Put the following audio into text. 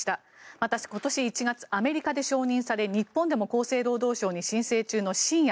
また今年１月アメリカで承認され日本でも厚生労働省に申請中の新薬。